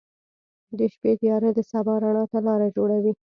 • د شپې تیاره د سبا رڼا ته لاره جوړوي.